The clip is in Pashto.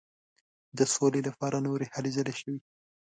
د سولي لپاره نورې هلې ځلې شوې.